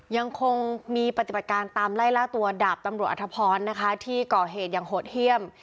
ยังคงมีปฏิบัติการตามไล่ล่าตัวดาบตำรวจอธพรนะคะที่ก่อเหตุอย่างโหดเยี่ยม